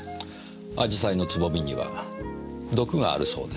紫陽花のつぼみには毒があるそうですよ。